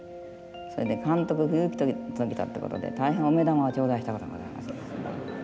それで監督不行き届きだっていうことで大変お目玉を頂戴したことがございます。